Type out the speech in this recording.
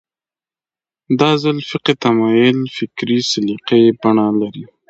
دا ځل فقهي تمایل فکري سلیقې بڼه لري